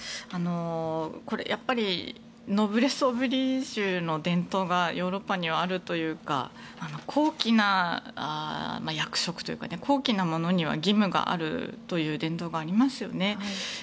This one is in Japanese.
やっぱりノブレス・オブリージュの伝統がヨーロッパにはあるというか高貴な役職というか高貴なものには義務があるという伝統がありますよね。